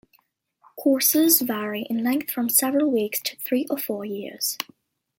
Courses vary in length from several weeks to three or four years.